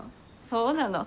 そうなの。